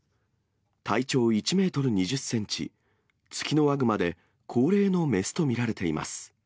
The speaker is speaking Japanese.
体長１メートル２０センチ、ツキノワグマで、高齢の雌と見られています。